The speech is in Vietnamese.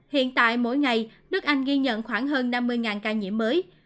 hiện tại mỗi ngày nước anh ghi nhận khoảng hơn năm mươi ca nhiễm mới